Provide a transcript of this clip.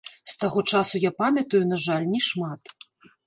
З таго часу я памятаю, на жаль, не шмат.